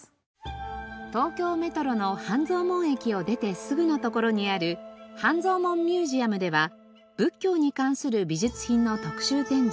東京メトロの半蔵門駅を出てすぐの所にある半蔵門ミュージアムでは仏教に関する美術品の特集展示